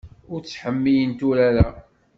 Ur ttḥemmilent urar-a.